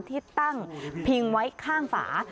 ที่ตั้งพิงไว้ข้างฝา